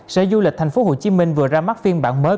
sở du lịch tp hcm vừa ra mắt phiên bản mới